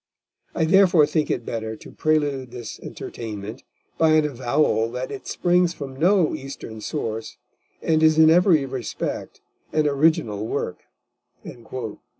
I therefore think it better to prelude this Entertainment by an avowal that it springs from no Eastern source, and is in every respect an original Work."